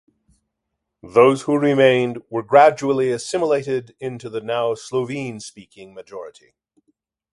Those who remained were gradually assimilated into the now Slovene-speaking majority.